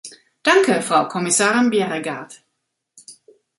Danke, Frau Kommissarin Bjerregaard!